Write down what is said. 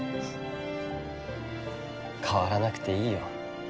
変わらなくていいよ。